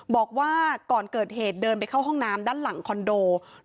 บอกว่าก่อนเกิดเหตุเดินไปเข้าห้องน้ำด้านหลังคอนโด